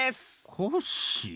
コッシー！